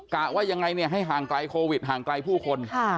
ะว่ายังไงเนี่ยให้ห่างไกลโควิดห่างไกลผู้คน